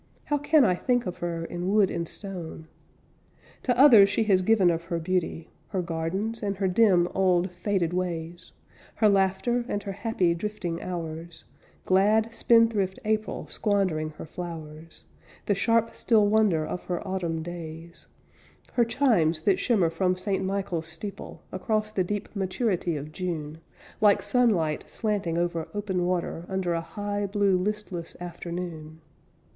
How can I think of her in wood and stone! To others she has given of her beauty, Her gardens, and her dim, old, faded ways, Her laughter, and her happy, drifting hours, Glad, spendthrift April, squandering her flowers, The sharp, still wonder of her Autumn days; Her chimes that shimmer from St. Michael's steeple Across the deep maturity of June, Like sunlight slanting over open water Under a high, blue, listless afternoon.